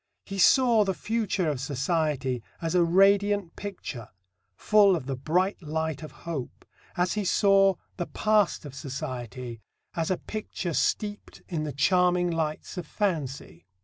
He saw the future of society as a radiant picture, full of the bright light of hope, as he saw the past of society as a picture steeped in the charming lights of fancy.